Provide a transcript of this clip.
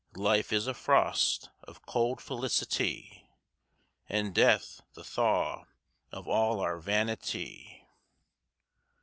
Life is a frost of cold felicitie, And death the thaw of all our vanitie.